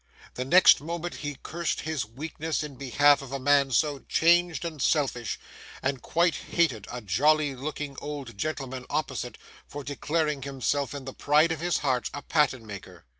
The next moment he cursed his weakness in behalf of a man so changed and selfish, and quite hated a jolly looking old gentleman opposite for declaring himself in the pride of his heart a Patten maker.